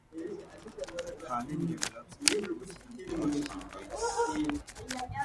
Carleen develops an instant crush on Royce.